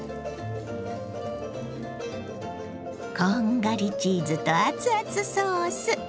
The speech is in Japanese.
こんがりチーズと熱々ソース。